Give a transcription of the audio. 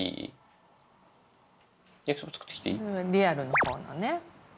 リアルの方のね。